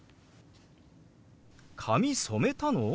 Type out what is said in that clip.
「髪染めたの？